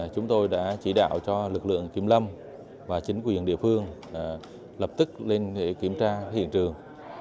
chúng tôi đã chỉ đạo cho lực lượng kiểm lâm và chính quyền địa phương lập tức lên để kiểm tra hiện trường